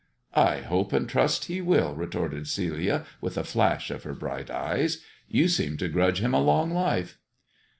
" I hope and trust he will," retorted Celia, with a flash of her bright eyes. " You seem to grudge him a long life."